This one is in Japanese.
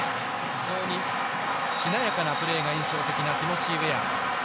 非常にしなやかなプレーが印象的なティモシー・ウェア。